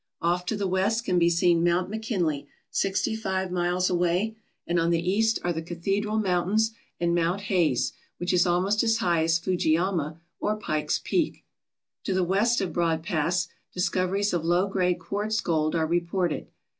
Off to the west can be seen Mount McKinley, sixty five miles away, and on the east are the Cathedral Mountains and Mount Hayes, which is almost as high as Fujiyama or Pike's Peak. To the west of Broad Pass discoveries of low grade quartz gold are reported.